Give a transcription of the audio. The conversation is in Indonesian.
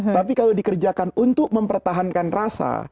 tapi kalau dikerjakan untuk mempertahankan rasa